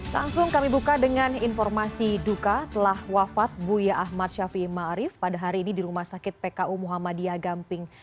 langsung kami buka dengan informasi duka telah wafat buya ahmad syafi ma arif pada hari ini di rumah sakit pku muhammadiyah gamping